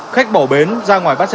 khách bỏ bến ra ngoài bán xe rù